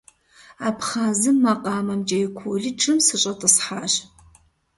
Абхъазым макъамэмкӀэ и колледжым сыщӀэтӀысхьащ.